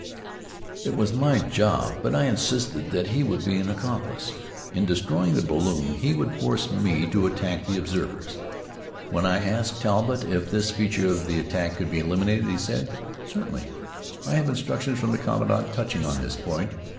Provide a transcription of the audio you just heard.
It was my job, but I insisted that he would be an accomplice. In destroying the balloon, he would force me to attack the observers. When I asked Talbott if this feature of the attack could be eliminated he said: "Certainly. I have instructions from the commandant touching on this point.